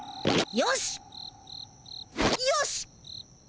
よし！